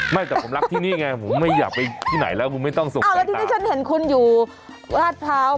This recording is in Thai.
ไม่แต่ผมรักที่นี่ไงผมไม่อยากไปที่ไหนแล้วผมไม่ต้องใส่ตา